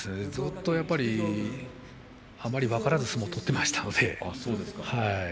あまり分からず相撲を取っていました。